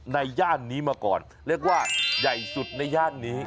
ย่านนี้มาก่อนเรียกว่าใหญ่สุดในย่านนี้